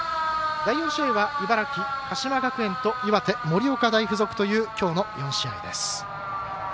第４試合は茨城、鹿島学園と岩手、盛岡大付属というきょうの４試合です。